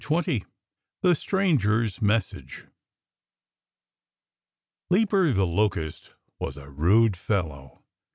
XX THE STRANGER'S MESSAGE Leaper the Locust was a rude fellow.